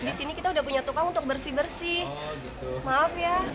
di sini kita udah punya tukang untuk bersih bersih